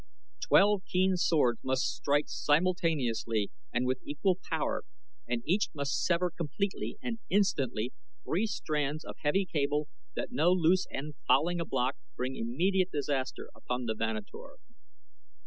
Twelve keen swords must strike simultaneously and with equal power, and each must sever completely and instantly three strands of heavy cable that no loose end fouling a block bring immediate disaster upon the Vanator.